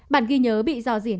bản ghi nhớ bị do rỉ nát